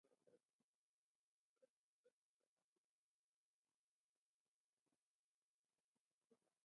يدعو الحمام بها الهديل تأسيا